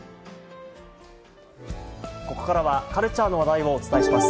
ここからはカルチャーの話題をお伝えします。